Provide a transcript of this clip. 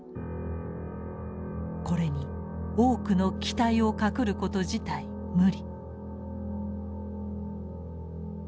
これに多くの期待をかくること自体無理」。